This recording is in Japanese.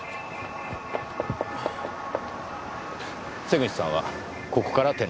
瀬口さんはここから転落した。